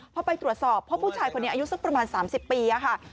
พอไปตรวจสอบพบผู้ชายคนนี้อายุสักประมาณ๓๐ปีค่ะ